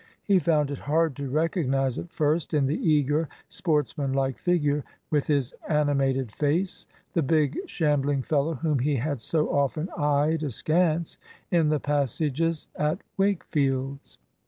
He found it hard to recognise at first in the eager, sportsmanlike figure, with his animated face, the big shambling fellow whom he had so often eyed askance in the passages at Wakefield's.